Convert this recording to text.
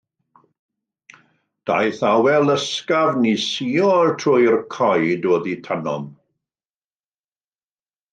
Daeth awel ysgafn i suo trwy'r coed oddi tanom.